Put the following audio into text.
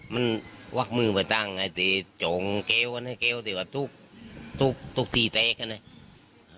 มันวักงึมไปตั้งไงติจงเก่วเนี่ยเก่วอยู่จากทั่วที่เทกอ่ะเนี่ย